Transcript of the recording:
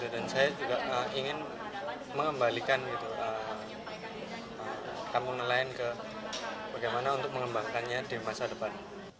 dan saya juga ingin mengembalikan kampung nelayan bagaimana untuk mengembangkannya di masa depan